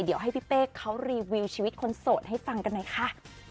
เดี๋ยวให้พี่เป้เขารีวิวชีวิตคนโสดให้ฟังกันหน่อยค่ะ